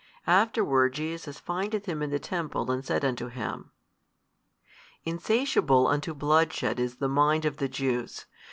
Afterward Jesus findeth him in the temple and said unto him, Insatiable unto bloodshed is the mind of the Jews.